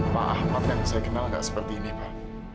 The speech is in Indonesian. maaf pak yang saya kenal gak seperti ini pak